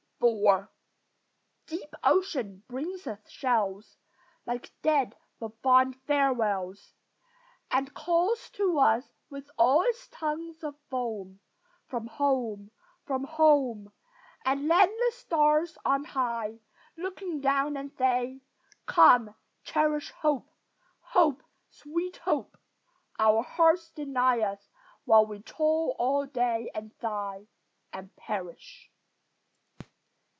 IV Deep ocean brings us shells, Like dead but fond farewells, And calls to us with all its tongues of foam, "From home! from home!" And then the stars on high Look down and say, "Come, cherish Hope, hope, sweet hope," our hearts deny Us while we toil all day and sigh, And perish.